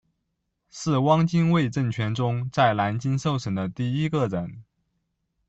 是汪精卫政权中在南京受审的第一个人。